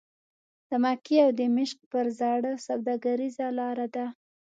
د مکې او دمشق پر زاړه سوداګریزه لاره ده.